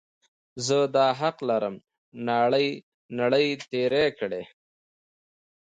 زه دا حق لرم، ناړې یې تېرې کړې.